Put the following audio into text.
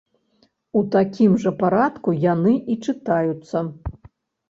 У такім жа парадку яны і чытаюцца.